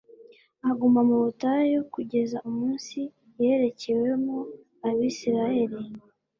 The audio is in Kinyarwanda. aguma mu butayu kugeza umunsi yerekewemo Abisiraheli.